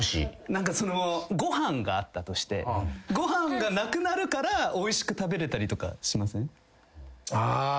何かそのご飯があったとしてご飯がなくなるからおいしく食べれたりとかしません？